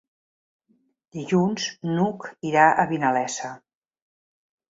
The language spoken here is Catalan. Dilluns n'Hug irà a Vinalesa.